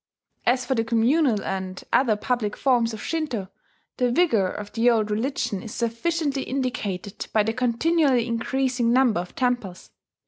As for the communal and other public forms of Shinto, the vigour of the old religion is sufficiently indicated by the continually increasing number of temples.